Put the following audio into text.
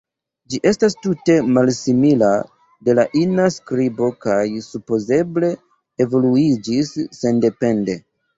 Ĝi estas tute malsimila de la ina skribo kaj supozeble evoluiĝis sendepende.